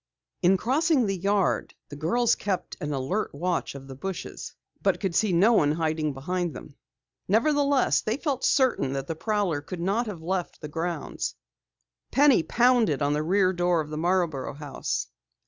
In crossing the yard, the girls kept an alert watch of the bushes but could see no one hiding behind them. Nevertheless, they felt certain that the prowler could not have left the grounds. Penny pounded on the rear door of the Marborough house.